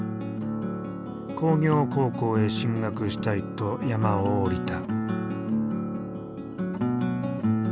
工業高校へ進学したいと山を下りた。